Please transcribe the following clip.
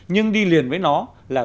nhưng đi liền với nó là